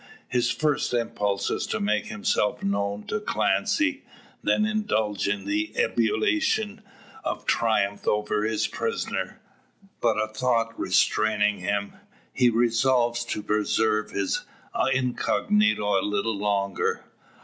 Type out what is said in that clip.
His first impulse is to make himself known to Clancy; then indulge in an ebullition of triumph over his prisoner. Put a thought restraining him, he resolves to preserve his incognito a little longer.